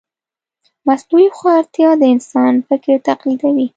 مصنوعي هوښیارتیا د انسان فکر تقلیدوي.